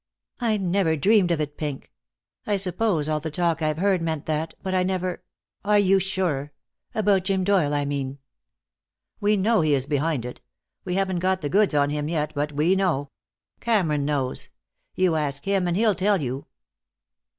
"I never dreamed of it, Pink. I suppose all the talk I've heard meant that, but I never are you sure? About Jim Doyle, I mean." "We know he is behind it. We haven't got the goods on him yet, but we know. Cameron knows. You ask him and he'll tell you."